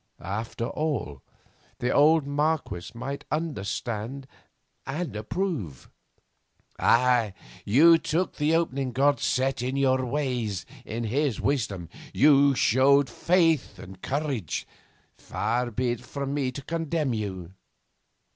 After all, the old Marquess might understand and approve. 'You took the opening God set in your way in His wisdom. You showed faith and courage. Far be it from me to condemn you.